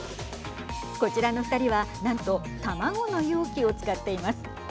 こちらの２人はなんと卵の容器を使っています。